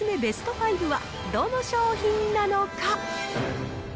ベスト５はどの商品なのか。